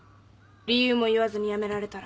理由も言わずに辞められたら。